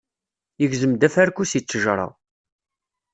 Yegzem-d afarku si ttejra.